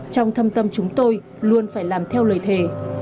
trong thâm tâm chúng tôi luôn phải làm theo lời thề